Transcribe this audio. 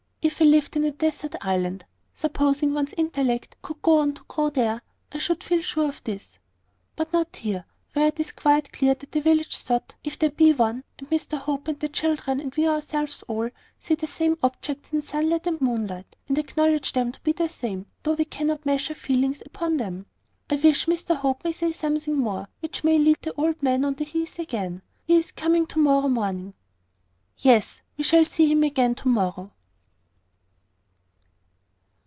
If I lived in a desert island (supposing one's intellect could go on to grow there), I should feel sure of this." "But not here, where it is quite clear that the village sot (if there be one), and Mr Hope, and the children, and we ourselves all see the same objects in sunlight and moonlight, and acknowledge them to be the same, though we cannot measure feelings upon them. I wish Mr Hope may say something more which may lead to the old man on the heath again. He is coming to morrow morning." "Yes; we shall see him again to morrow."